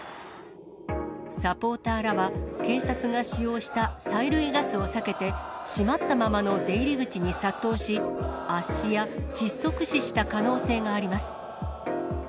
サポーターらは、警察が使用した催涙ガスを避けて、閉まったままの出入り口に殺到し、圧死や窒息死した可能性があります。